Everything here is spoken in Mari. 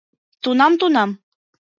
Тунам, тунам...